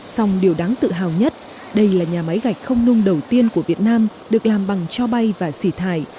song điều đáng tự hào nhất đây là nhà máy gạch không nung đầu tiên của việt nam được làm bằng cho bay và xỉ thải